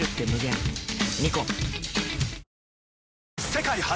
世界初！